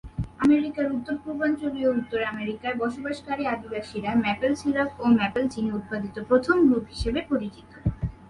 আমেরিকার উত্তর-পূর্বাঞ্চলীয় উত্তর আমেরিকায় বসবাসকারী আদিবাসীরা ম্যাপেল সিরাপ এবং ম্যাপেল চিনি উৎপাদিত প্রথম গ্রুপ হিসেবে পরিচিত।